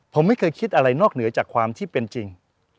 ผมไม่เคยคิดอะไรนอกเหนือจากความที่เป็นจริง